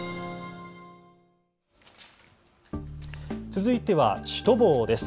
続いてはシュトボーです。